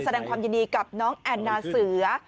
แสดงความยินดีกับน้องแอนนาเสือ